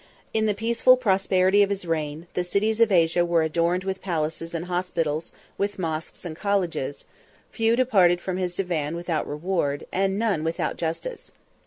In the peaceful prosperity of his reign, the cities of Asia were adorned with palaces and hospitals with moschs and colleges; few departed from his Divan without reward, and none without justice.